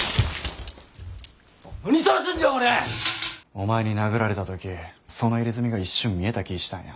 お前に殴られた時その入れ墨が一瞬見えた気ぃしたんや。